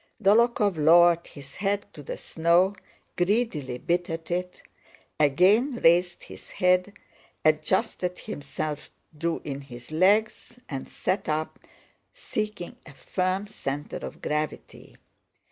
Dólokhov lowered his head to the snow, greedily bit at it, again raised his head, adjusted himself, drew in his legs and sat up, seeking a firm center of gravity.